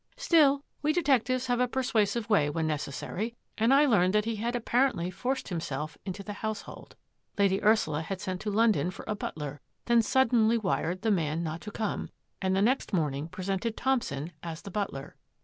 Still, we detectives have a persuasive way when necessary and I learned that he had appar ently forced himself into the household. Lady Ursula had sent to London for a butler, then sud denly wired the man not to come, and the next morning presented Thompson as the butler.